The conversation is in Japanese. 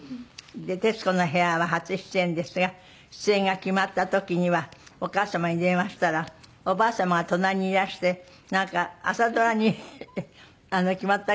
『徹子の部屋』は初出演ですが出演が決まった時にはお母様に電話したらおばあ様が隣にいらしてなんか朝ドラに決まったぐらい喜んでくだすったんですって？